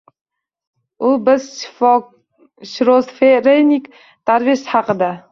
U bir shizofrenik darvesh haqida.